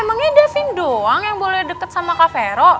emangnya davin doang yang boleh deket sama kak vero